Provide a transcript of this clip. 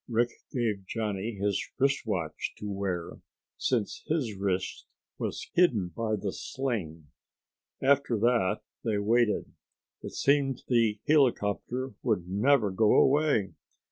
Rick gave Johnny his wrist watch to wear, since his wrist was hidden by the sling. After that they waited. It seemed the helicopter would never go away.